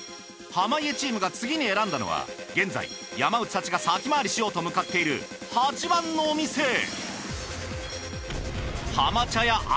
濱家チームが次に選んだのは現在山内たちが先回りしようと向かっている８番のお店。